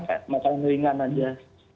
atau makan ringan saja